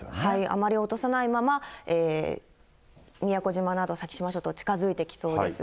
あまり落とさないまま、宮古島など、先島諸島に近づいてきそうです。